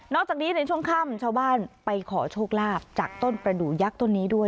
จากนี้ในช่วงค่ำชาวบ้านไปขอโชคลาภจากต้นประดูกยักษ์ต้นนี้ด้วย